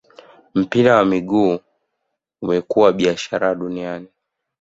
mpira wa miguu umekuwa biashara duaniani